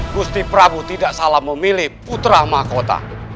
gusti prabu tidak salah memilih putra mahkota